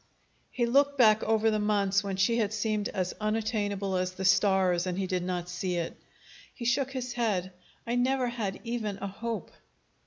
He looked back over the months when she had seemed as unattainable as the stars, and he did not see it. He shook his head. "I never had even a hope."